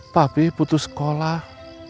papih putus sekolah